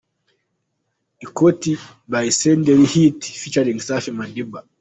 Ikoti by Senderi Hit ft Safi Madiba.